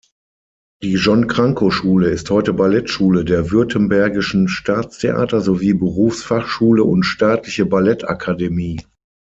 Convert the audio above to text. Die John Cranko-Schule ist heute Ballettschule der Württembergischen Staatstheater sowie Berufsfachschule und Staatliche Ballettakademie.